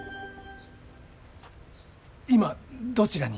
今どちらに？